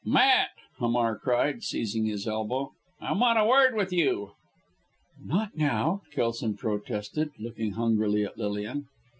"Matt!" Hamar cried, seizing his elbow. "I want a word with you." "Not now," Kelson protested, looking hungrily at Lilian.